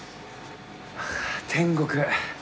天国。